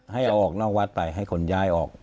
ให้เอาออกนอกวัดไปให้คนย้ายออก